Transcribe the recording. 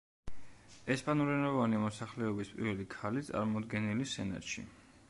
ესპანურენოვანი მოსახლეობის პირველი ქალი წარმომადგენელი სენატში.